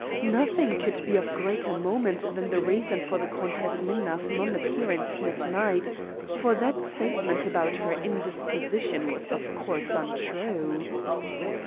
"Nothing could be of greater moment than the reason for the Countess Minna's non appearance here to night; for that statement about her indisposition was, of course, untrue."